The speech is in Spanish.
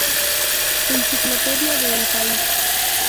Enciclopedia de El País.